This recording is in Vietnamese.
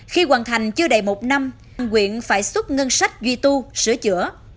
khi hoàn thành chưa đầy một năm quyện phải xuất ngân sách duy tu sửa chữa